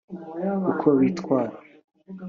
uko bitwara